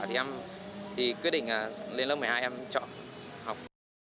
thì em quyết định là lên lớp một mươi hai em chọn học